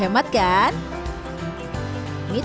maka nikmatnya beneran dengan harga ini